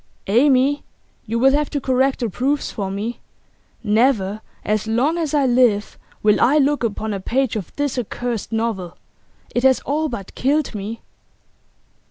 'Amy, you will have to correct the proofs for me. Never as long as I live will I look upon a page of this accursed novel. It has all but killed me.